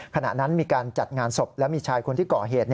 ขณะนั้นมีการจัดงานศพและมีชายคนที่ก่อเหตุ